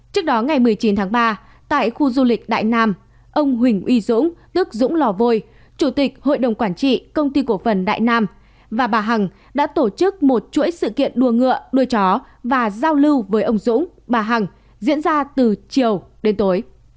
trước đó ngày một mươi chín tháng ba tại khu du lịch đại nam ông huỳnh uy dũng tức dũng lò vôi chủ tịch hội đồng quản trị công ty cổ phần đại nam và bà hằng đã tổ chức một chuỗi sự kiện đua ngựa nuôi chó và giao lưu với ông dũng bà hằng diễn ra từ chiều đến tối